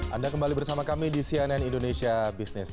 anda kembali bersama kami di cnn indonesia business